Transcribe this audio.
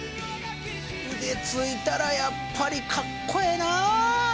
腕付いたらやっぱりかっこええな！